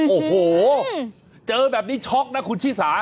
โอ้โหเจอแบบนี้ช็อกนะคุณชิสา